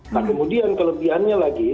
nah kemudian kelebihannya lagi